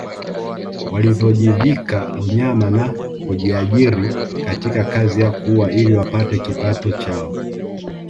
Waliojivika unyama na kujiajiri katika kazi ya kuua ili wapate kipato chao